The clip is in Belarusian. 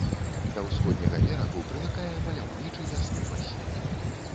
Да ўсходняга берагу прымыкае маляўнічы лясны масіў.